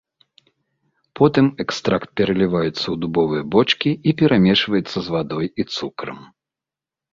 Потым экстракт пералівацца ў дубовыя бочкі і перамешваецца з вадой і цукрам.